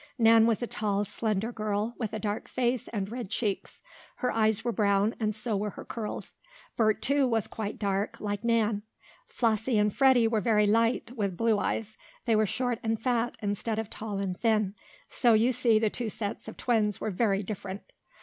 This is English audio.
Nan was a tall, slender girl, with a dark face and red cheeks. Her eyes were brown, and so were her curls. Bert, too, was quite dark, like Nan. Flossie and Freddie were very light, with blue eyes. They were short and fat, instead of tall and thin. So you see the two sets of twins were very different.